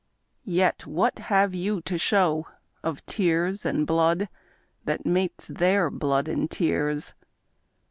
Yet what have you to show of tears and blood, That mates their blood and tears?